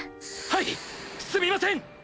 はいすみません！